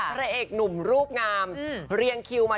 พระเอกหนุ่มรูปงามเรียงคิวมา